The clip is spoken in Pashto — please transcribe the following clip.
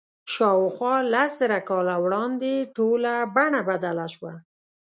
شاوخوا لس زره کاله وړاندې ټوله بڼه بدله شوه.